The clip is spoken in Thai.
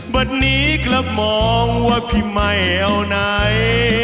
วันนี้กลับมองว่าพี่ไม่เอาไหน